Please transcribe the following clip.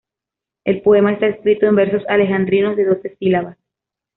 El poema está escrito en versos alejandrinos de doce sílabas.